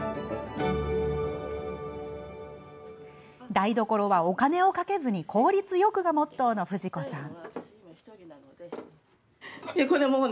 台所はお金をかけずに効率よくがモットーのフジ子さん。